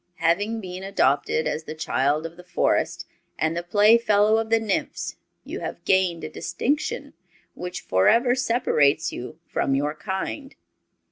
Having been adopted as the child of the Forest, and the playfellow of the nymphs, you have gained a distinction which forever separates you from your kind.